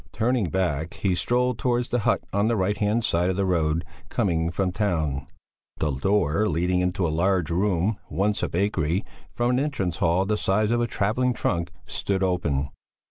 Turning back he strolled towards the hut on the right hand side of the road, coming from town. The door leading into a large room once a bakery from an entrance hall the size of a travelling trunk, stood open.